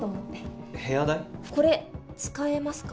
これ使えますか？